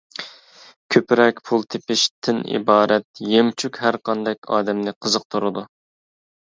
«كۆپرەك پۇل تېپىش» تىن ئىبارەت يەمچۈك ھەرقانداق ئادەمنى قىزىقتۇرىدۇ.